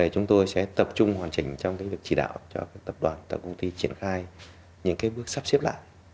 chúng tôi sẽ tập trung hoàn chỉnh trong việc chỉ đạo cho tập đoàn tổng công ty triển khai những bước sắp xếp lại